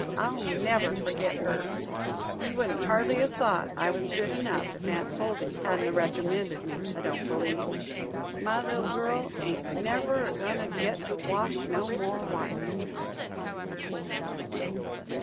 I'll never forget her. You wouldn't hardly 'a' thought I was good enough, if Aunt Huldy hadn't a recommended me, I don't believe. My little girl ain't never a goin' to get to walk no more wires."